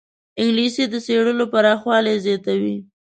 انګلیسي د څېړنو پراخوالی زیاتوي